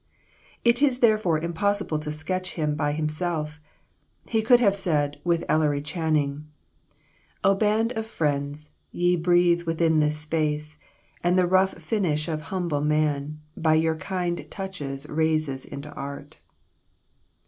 It is, therefore, impossible to sketch him by himself. He could have said, with Ellery Channing, "O band of Friends, ye breathe within this space, And the rough finish of a humble man By your kind touches rises into art."